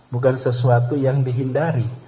bukan sesuatu yang dihindari